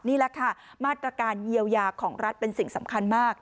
นี่แหละค่ะมาตรการเยียวยาของรัฐเป็นสิ่งสำคัญมาก